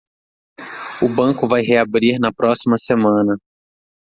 O banco vai reabrir na próxima semana.